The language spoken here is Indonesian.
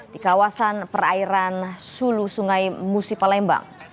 di kawasan perairan sulu sungai musi palembang